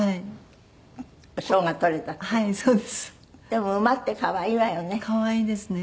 でも馬って可愛いわよね。